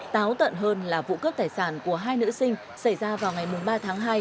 táo tận hơn là vụ cướp tài sản của hai nữ sinh xảy ra vào ngày ba tháng hai